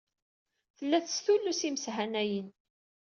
Tella testullus imeshanayen.